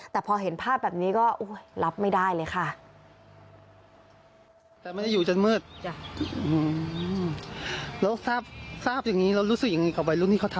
แต่พอเห็นภาพแบบนี้ก็รับไม่ได้เลยค่ะ